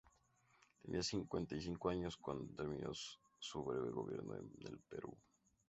Tenía cincuenta y cinco años cuando terminó su breve gobierno en el Perú.